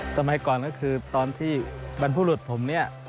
สมัยก่อนก็คือตอนที่บรรพุทธผม